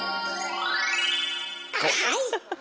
はい！